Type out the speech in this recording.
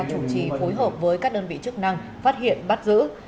chủ trì phối hợp với các đơn vị chức năng phát hiện bắt giữ